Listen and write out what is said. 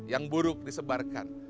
yang buruk disebarkan